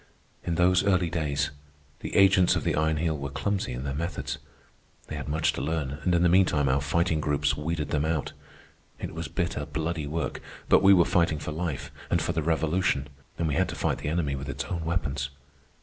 In those early days, the agents of the Iron Heel were clumsy in their methods. They had much to learn and in the meantime our Fighting Groups weeded them out. It was bitter, bloody work, but we were fighting for life and for the Revolution, and we had to fight the enemy with its own weapons.